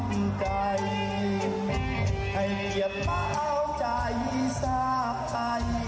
ให้อย่าเปล่าใจทราบไปผู้ชายโรศนาเสิร์ต